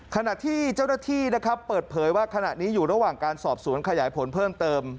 ขณะที่เจ้าหน้าที่นะครับเปิดเผยว่าขณะนี้อยู่ระหว่างการสอบสวนขยายผลเพิ่มเติม